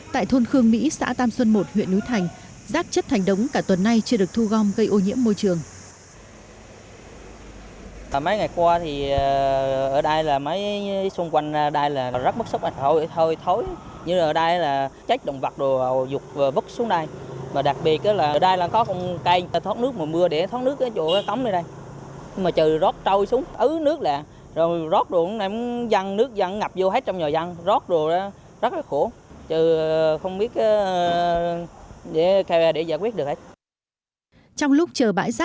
tại thôn khương mỹ xã tam xuân một huyện núi thành rác chất thành đống cả tuần nay chưa được thu gom gây ô nhiễm môi trường